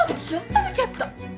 食べちゃった！